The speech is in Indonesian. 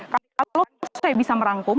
kalau saya bisa merangkum